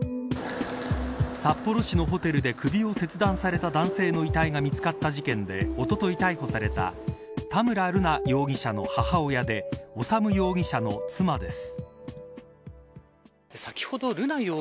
札幌市のホテルで首を切断された男性の遺体が見つかった事件でおととい逮捕された田村瑠奈容疑者の母親で修容疑者の妻です。